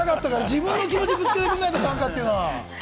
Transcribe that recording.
自分の気持ちをぶつけてくれないと、短歌というのは。